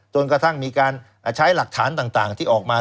จนกระทั่งมีการใช้หลักฐานต่างที่ออกมา